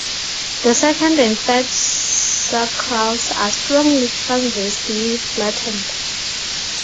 The second and third sacrals are strongly transversely flattened.